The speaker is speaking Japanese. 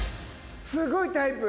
「すっごいタイプ。